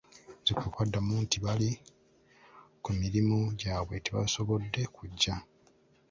Nze kwe kubaddamu nti bali ku mirimu gyabwe tebasobodde kujja.